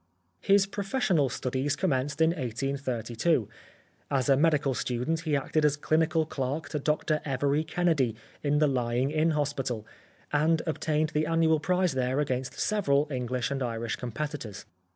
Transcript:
His professional studies commenced in 1832. As a medical student he acted as clinical clerk to Dr Evory Kennedy in the Lying In Hospital, and obtained the annual prize there against several English and Irish competitors.